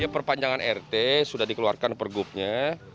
perpanjangan rt sudah dikeluarkan pergubnya